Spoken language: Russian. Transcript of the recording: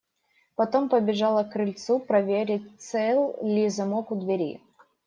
Потом побежала к крыльцу проверить, цел ли замок у двери.